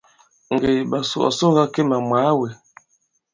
Ŋgè i ɓasu ɔ̀ soga Kemà mwàa wē.